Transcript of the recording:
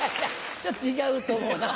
ちょっと違うと思うな。